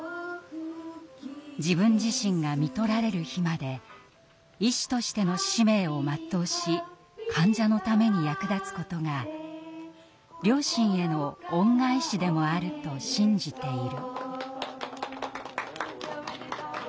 「自分自身が看取られる日まで医師としての使命を全うし患者のために役立つことが両親への恩返しでもあると信じている」。